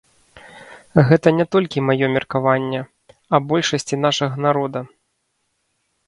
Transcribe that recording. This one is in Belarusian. Гэта не толькі маё меркаванне, а большасці нашага народа.